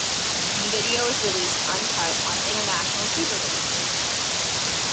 The video was released uncut on "International Supervideos!".